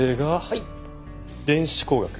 はい。